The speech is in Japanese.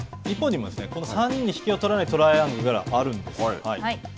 日本にもこの３人に引けをとらないトライアングルがあるんです。